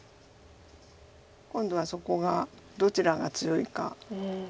今度はそこがどちらが強いか。